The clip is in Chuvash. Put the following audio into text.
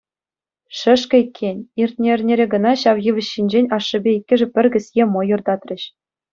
Шӗшкӗ иккен, иртнӗ эрнере кӑна ҫав йывӑҫ ҫинчен ашшӗпе иккӗшӗ пӗр кӗсье мӑйӑр татрӗҫ.